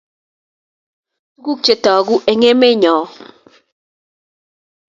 Tukuk che toguu eng' emenyoo